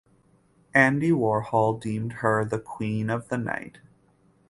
Andy Warhol deemed her the "Queen of the Night".